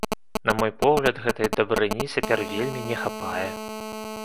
На мой погляд, гэтай дабрыні цяпер вельмі не хапае.